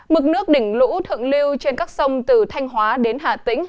mực nước đỉnh lũ thượng lưu trên các sông từ thanh hóa đến hà tĩnh